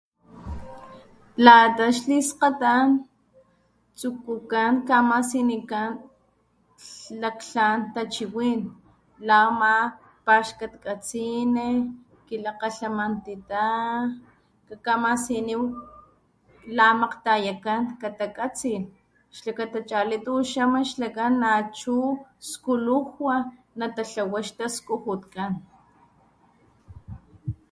Lata xliskgatan tsukukan kamasinikan laktlan tachiwin la ama paxkatkatsini, kilakgalhamantita, kakamasiniw lamakgtayakan katakatsilh xlakata chali tuxama xlakan skulujwa natatlawa xtaskujutkan.